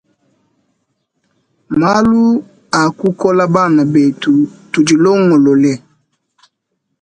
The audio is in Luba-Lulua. Malu akukola bana betu tudi longolole.